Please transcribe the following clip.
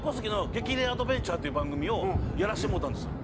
激レア★アドベンチャー』っていう番組をやらせてもろうたんです。